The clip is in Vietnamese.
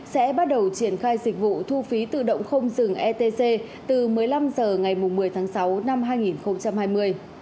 sẽ bắt đầu triển khai dịch vụ thu phí tự động không dừng etc từ một mươi năm h ngày một mươi tháng sáu năm hai nghìn hai mươi